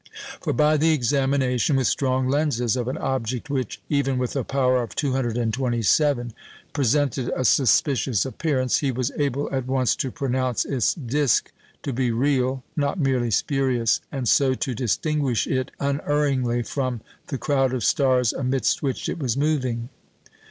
For by the examination with strong lenses of an object which, even with a power of 227, presented a suspicious appearance, he was able at once to pronounce its disc to be real, not merely "spurious," and so to distinguish it unerringly from the crowd of stars amidst which it was moving.